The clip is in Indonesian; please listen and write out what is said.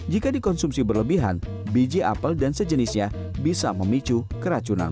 jika dikonsumsi berlebihan biji apel dan sejenisnya bisa memicu keracunan